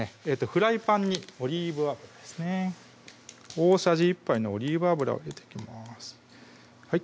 フライパンにオリーブ油ですね大さじ１杯のオリーブ油を入れていきます